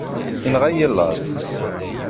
Inɣa-yi laẓ.